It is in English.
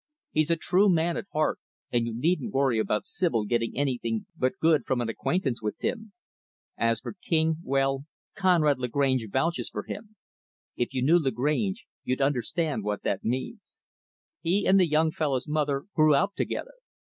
He's a true man at heart, and you needn't worry about Sibyl getting anything but good from an acquaintance with him. As for King well Conrad Lagrange vouches for him. If you knew Lagrange, you'd understand what that means. He and the young fellow's mother grew up together.